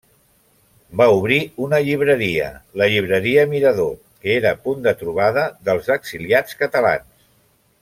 Va obrir una llibreria, la Llibreria Mirador, que era punt de trobada dels exiliats catalans.